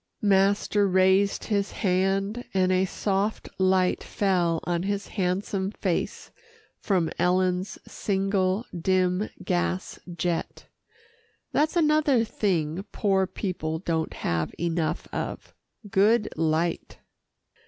Master raised his hand, and a soft light fell on his handsome face from Ellen's single, dim gas jet That's another thing poor people don't have enough of good light.